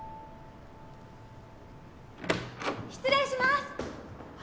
失礼します！